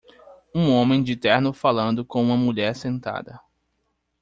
Um homem de terno falando com uma mulher sentada.